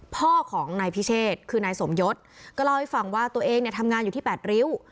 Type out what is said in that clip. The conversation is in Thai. พ่อของนายพิเชษคือนายสมยศก็เล่าให้ฟังว่าตัวเองเนี่ยทำงานอยู่ที่๘ริ้ว